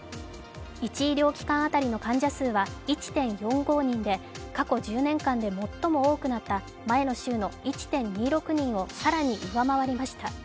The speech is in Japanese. １医療機関当たりの患者数は１．４５人で過去１０年間で最も多くなった前の週の１．２６人を更に上回りました。